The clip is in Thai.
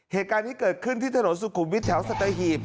เหตุการณ์นี้เกิดขึ้นที่ถนนสุขุมวิทย์แถวสัตหีบ